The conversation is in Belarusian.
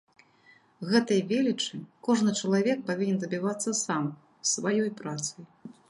Гэтай велічы кожны чалавек павінен дабівацца сам, сваёй працай.